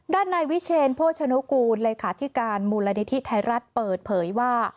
ด้านในวิเชนโภชนุกูลเลขาธิการมูลนิธิไทยรัฐเปิดเผยว่า